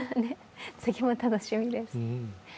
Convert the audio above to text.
次も楽しみです。